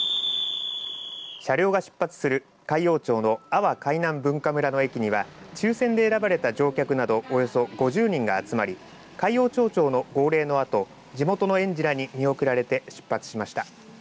車両が出発する海洋町の阿波海南文化村の駅には抽せんで選ばれた乗客などおよそ５０人が集まり海陽町長の号令のあと地元の園児らに見送られて出発しました。